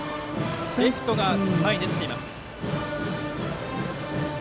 レフトが前に出てきています。